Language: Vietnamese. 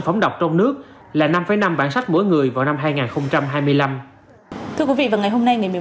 phẩm độc trong nước là năm năm bản sách mỗi người vào năm hai nghìn hai mươi năm thưa quý vị vào ngày hôm nay ngày một mươi một